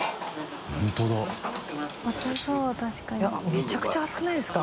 めちゃくちゃ暑くないですか？